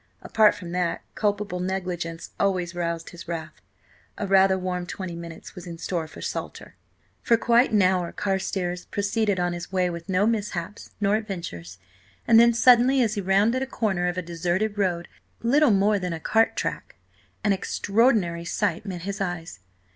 Apart from that, culpable negligence always roused his wrath. A rather warm twenty minutes was in store for Salter. For quite an hour Carstares proceeded on his way with no mishaps nor adventures, and then, suddenly, as he rounded a corner of a deserted road–little more than a cart track–an extraordinary sight met his eyes.